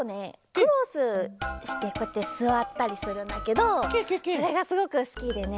クロスしてこうやってすわったりするんだけどそれがすごくすきでね。